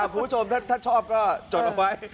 คุณผู้ชมถ้าชอบก็จดเอาไว้